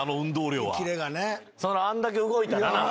あんだけ動いたらな。